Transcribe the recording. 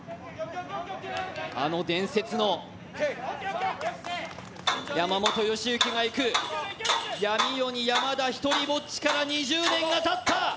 あの伝説の山本良幸が行く、闇夜に山田独りぼっちから２０年がたった。